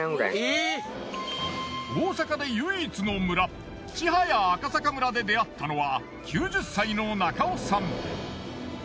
大阪で唯一の村千早赤阪村で出会ったのは９０歳の中尾さん。